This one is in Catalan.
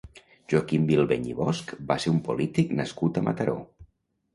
Joaquim Bilbeny i Bosch va ser un polític nascut a Mataró.